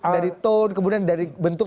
dari tone kemudian dari bentuk